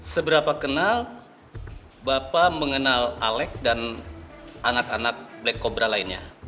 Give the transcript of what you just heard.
seberapa kenal bapak mengenal alek dan anak anak black cobra lainnya